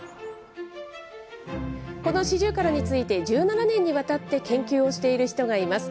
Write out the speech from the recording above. このシジュウカラについて１７年にわたって研究をしている人がいます。